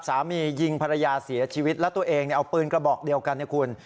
สามียิงภรรยาเสียชีวิตแล้วตัวเองเอาปืนกระบอกเดียวกันนะคุณ